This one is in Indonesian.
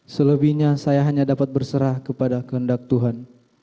selebihnya saya hanya dapat berserah kepada kehendak tuhan